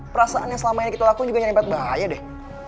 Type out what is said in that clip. perasaan yang selama ini kita lakuin juga nyaripet bahaya deh